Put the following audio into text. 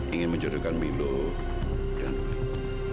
ingin menjodohkan milo dengan muli